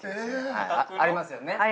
ありますよね。